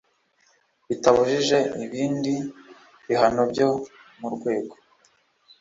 bitabujije ibindi bihano byo mu rwego